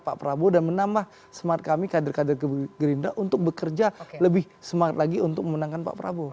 pak prabowo dan menambah semangat kami kader kader gerindra untuk bekerja lebih semangat lagi untuk memenangkan pak prabowo